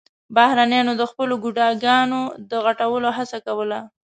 بهرنيانو د خپلو ګوډاګيانو د غټولو هڅه کوله.